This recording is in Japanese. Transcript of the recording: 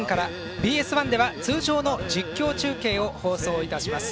ＢＳ１では通常の実況中継を放送いたします。